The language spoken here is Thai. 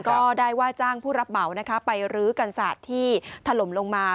ก็ได้ว่าจ้างผู้รับเหมานะคะไปรื้อกันศาสตร์ที่ถล่มลงมา